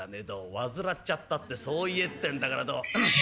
患っちゃったってそう言えってんだから。